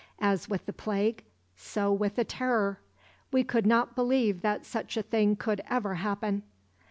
As with the Plague, so with the Terror. We could not believe that such a thing could ever happen.